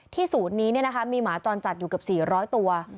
ศูนย์นี้มีหมาจรจัดอยู่เกือบ๔๐๐ตัว